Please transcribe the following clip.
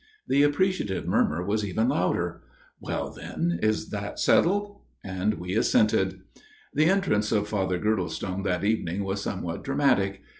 The appreciative murmur was even louder. " Well, then ; is that settled ?" We assented. The entrance of Father Girdlestone that evening was somewhat dramatic.